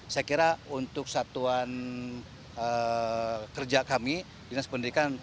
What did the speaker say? saya kira untuk satuan kerja kami dinas pendidikan